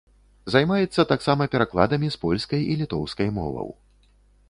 Займаецца таксама перакладамі з польскай і літоўскай моваў.